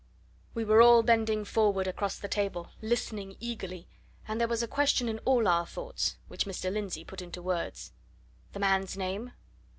We were all bending forward across the table, listening eagerly and there was a question in all our thoughts, which Mr. Lindsey put into words. "The man's name?"